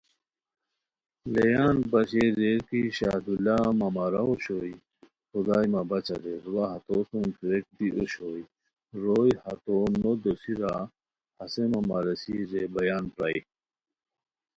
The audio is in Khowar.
لیئان پاشئے ریر کی شاہ دولا مہ ماراؤ اوشوئے، خدائے مہ بچ اریر وا ہتو سُم تھوویک دی اوشوئے، روئے ہتو نودوسیرا ہسے مہ ماریسر رے بیان پرائے